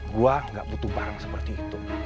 gua nggak butuh barang seperti itu